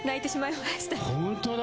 本当だ。